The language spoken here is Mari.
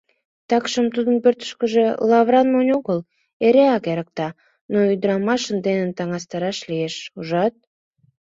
Такшым тудынат пӧрткӧргыжӧ лавыран монь огыл, эреак эрыкта, но ӱдырамашын дене таҥастараш лиеш, ужат?